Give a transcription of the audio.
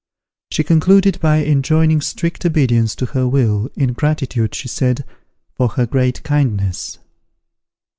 She concluded by enjoining strict obedience to her will, in gratitude, she said, for her great kindness.